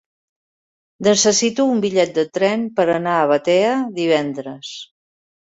Necessito un bitllet de tren per anar a Batea divendres.